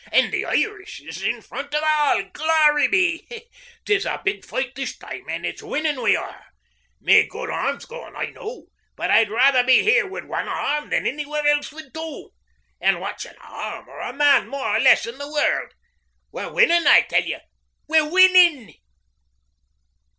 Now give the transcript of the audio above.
An' the Irish is in front av all. Glory be! 'Tis a big foight this time, an' it's winnin' we are. Me good arm's gone I know, but I'd rather be here wid wan arm than annywhere else wid two. An' what's an arm or a man more or less in the world? We're winnin', I tell ye we're winnin'!'